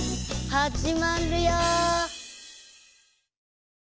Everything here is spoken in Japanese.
はじまるよ！